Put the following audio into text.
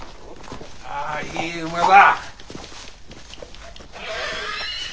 ああいい馬だ。